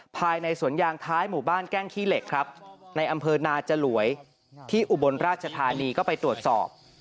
ภายในสวนยางท้ายหมู่บ้านแก้งขี้เหล็กครับในอำเภอนาจลวยที่อุบลราชธานีก็ไปตรวจสอบ